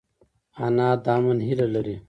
انا د امن هیله لري